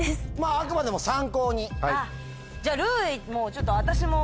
あくまでも参考に。